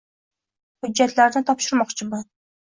hujjatlarni topshirmoqchiman